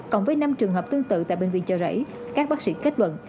còn với năm trường hợp tương tự tại bệnh viện chợ rẫy các bác sĩ kết luận